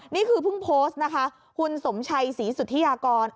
นี่คือเพิ่งโพสต์นะคะคุณสมชัยศรีสุธิยากร